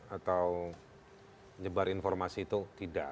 atau nyebar informasi itu tidak